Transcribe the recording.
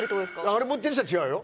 あれ持ってる人は違うよ。